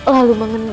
saya mengovasi tiang